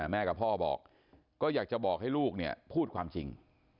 แม่กับพ่อบอกก็อยากจะบอกให้ลูกเนี่ยพูดความจริง